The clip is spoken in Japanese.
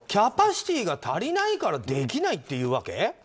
当たり前のことがキャパシティーが足りないからできないっていうわけ？